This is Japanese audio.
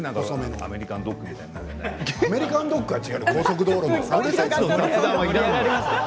アメリカンドッグは違う高速道路のやつ。